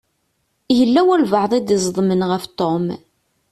Yella walebɛaḍ i d-iẓeḍmen ɣef Tom.